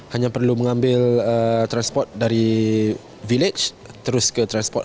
hanya perlu mengambil transport dari village terus ke tempat yang lain